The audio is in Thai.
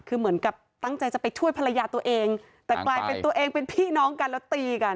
คือเหมือนกับตั้งใจจะไปช่วยภรรยาตัวเองแต่กลายเป็นตัวเองเป็นพี่น้องกันแล้วตีกัน